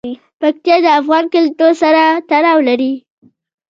پکتیا د افغان کلتور سره تړاو لري.